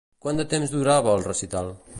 Quant de temps durava el recital?